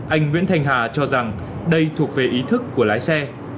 anh nguyễn thành hà cho rằng đây thuộc về ý thức của lái xe